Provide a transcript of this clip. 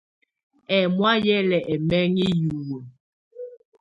Ɛmɔ̀á hɛ lɛ ɛmɛŋɛ hiwǝ́.